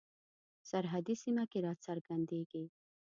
سرحدي سیمه کې را څرګندیږي.